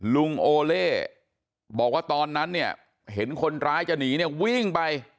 ลุงโอเล่บอกว่าตอนนั้นเนี่ยเห็นคนร้ายจะหนีเนี่ยวิ่งไป